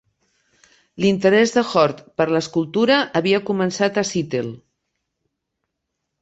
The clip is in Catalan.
L'interès de Hord per l'escultura havia començat a Seattle.